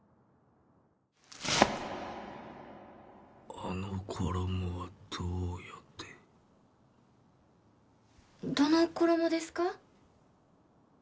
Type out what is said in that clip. あの衣はどうやってどの衣ですか？